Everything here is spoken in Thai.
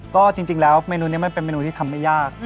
ก็จริงนี้ไม่เป็นที่ทำไม่ยาก